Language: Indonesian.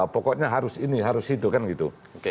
pokoknya harus ini harus itu